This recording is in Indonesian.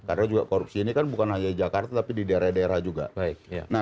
karena juga korupsi ini kan bukan hanya di jakarta tapi di daerah daerah juga